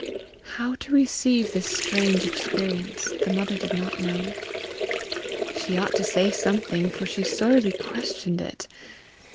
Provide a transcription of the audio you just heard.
How to receive the strange experience the mother did not know. She ought to say something, for she sorely questioned it!